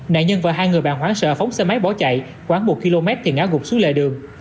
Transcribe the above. nạn nhân và hai người bạn hoãn sợ phóng xe máy bỏ chạy khoảng một km thì ngã gục xuống lề đường